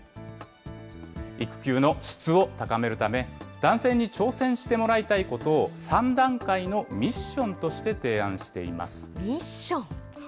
育休の質を高めるため、男性に挑戦してもらいたいことを３段階のミッションとして提案しミッション。